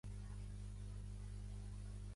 Els segueixen la Resurrecció i la Pentecosta.